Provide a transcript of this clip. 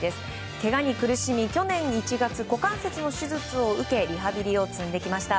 けがに苦しみ、去年１月股関節の手術を受けリハビリを積んできました。